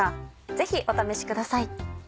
ぜひお試しください。